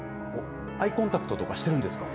アイコンタクトとかしてるんですか？